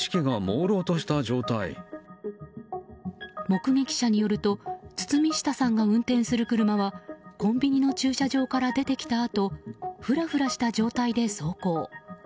目撃者によると堤下さんが運転する車はコンビニの駐車場から出てきたあとふらふらした状態で走行。